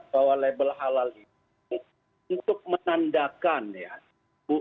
bahwa label halal itu untuk menandakan ya